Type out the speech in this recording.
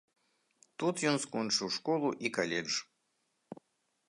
Тут ён скончыў школу і каледж.